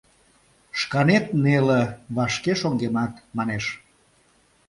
Шканет неле, вашке шоҥгемат, манеш.